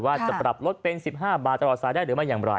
ว่าจะปรับลดเป็น๑๕บาทตลอดสายได้หรือไม่อย่างไร